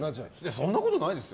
そんなことないですよ。